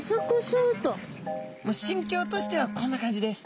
もう心境としてはこんな感じです。